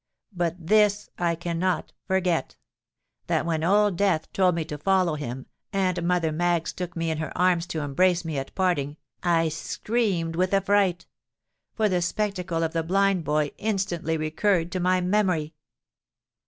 But this I cannot forget—that when Old Death told me to follow him, and Mother Maggs took me in her arms to embrace me at parting, I screamed with affright—for the spectacle of the blind boy instantly recurred to my memory!